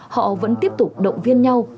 họ vẫn tiếp tục động viên nhau